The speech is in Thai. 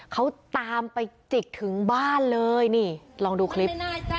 เขาตามไปจิกถึงบ้านเลยนี่ลองดูคลิป